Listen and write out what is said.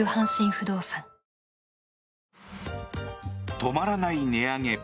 止まらない値上げ。